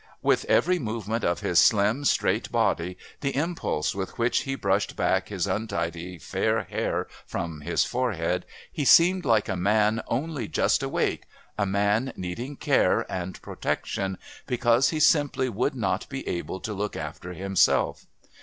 With every movement of his slim, straight body, the impulse with which he brushed back his untidy fair hair from his forehead, he seemed like a man only just awake, a man needing care and protection, because he simply would not be able to look after himself.